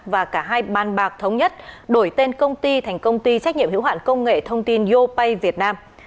và cả hai ban bạc thống nhất đổi tên công ty thành công ty trách nhiệm hữu hoạn công nghệ thông tin yopay việt nam